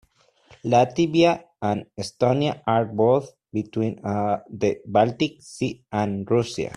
Latvia and Estonia are both between the Baltic Sea and Russia.